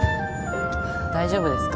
大丈夫ですか？